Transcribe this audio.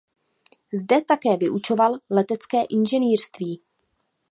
Zde také vyučoval letecké inženýrství.